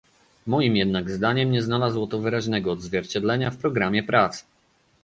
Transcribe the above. Moim jednak zdaniem nie znalazło to wyraźnego odzwierciedlenia w programie prac